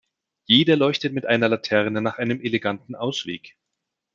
Jeder leuchtet mit einer Laterne nach einem eleganten Ausweg.